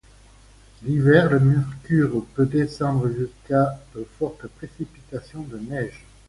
L'hiver le mercure peut descendre jusqu'à avec de fortes précipitations de neige.